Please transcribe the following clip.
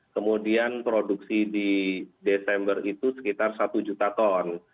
kemudian produksi di desember itu sekitar satu juta ton